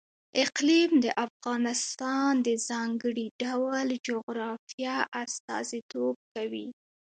اقلیم د افغانستان د ځانګړي ډول جغرافیه استازیتوب کوي.